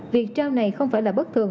việc trao này không phải là bất thường